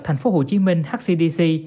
thành phố hồ chí minh hcdc